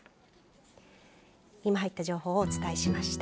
今入った情報をお伝えしました。